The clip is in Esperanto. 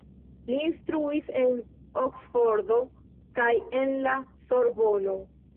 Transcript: Li instruis en Oksfordo kaj en la Sorbono.